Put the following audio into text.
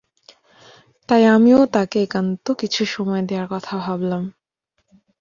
তাই, আমিও তাকে একান্ত কিছু সময় দেওয়ার কথা ভাবলাম।